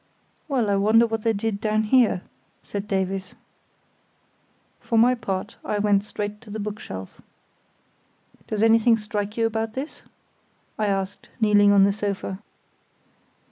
"Well, I wonder what they did down here," said Davies. For my part I went straight to the bookshelf. "Does anything strike you about this?" I asked, kneeling on the sofa.